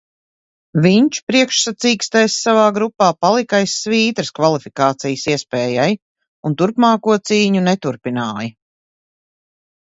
Viņš priekšsacīkstēs savā grupā palika aiz svītras kvalifikācijas iespējai un turpmāko cīņu neturpināja.